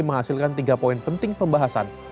menghasilkan tiga poin penting pembahasan